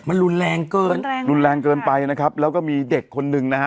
มันรุนแรงเกินแรงรุนแรงเกินไปนะครับแล้วก็มีเด็กคนหนึ่งนะฮะ